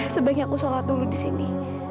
sebanyak usolat dulu disini